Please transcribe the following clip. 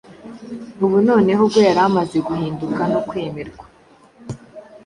ubu noneho ubwo yari amaze guhinduka no kwemerwa,